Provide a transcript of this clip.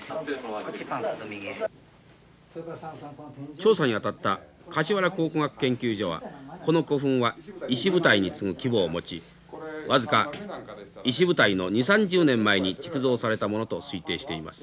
調査にあたった橿原考古学研究所はこの古墳は石舞台に次ぐ規模を持ち僅か石舞台の２０３０年前に築造されたものと推定しています。